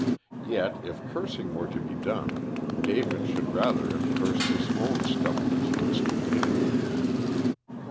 Yet if cursing were to be done, David should rather have cursed his own stubbornness and stupidity.